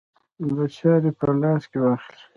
د چارې په لاس کې واخلي.